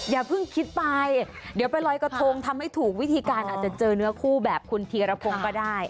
อย่าเพิ่งคิดไปเดี๋ยวไปลอยกระทงทำให้ถูกวิธีการอาจจะเจอเนื้อคู่แบบคุณธีรพงศ์ก็ได้